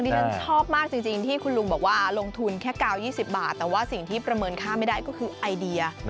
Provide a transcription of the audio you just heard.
ฉันชอบมากจริงที่คุณลุงบอกว่าลงทุนแค่๙๒๐บาทแต่ว่าสิ่งที่ประเมินค่าไม่ได้ก็คือไอเดีย